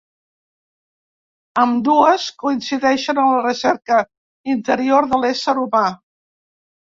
Ambdues coincideixen en la recerca interior de l'ésser humà.